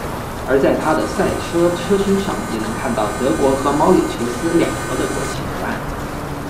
而在他的赛车车身上也能看到德国和毛里求斯两国的国旗图案。